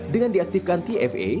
dengan diaktifkan itu